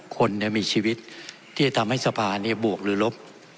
คนมีชีวิตที่จะทำให้สภาบวกหรือลบ